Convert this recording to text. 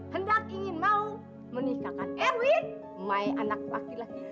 hendak ingin mau menikahkan erwin my anak wakil lagi